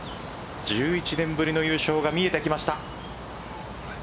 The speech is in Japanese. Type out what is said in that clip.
１１年ぶりの優勝が見えてきました。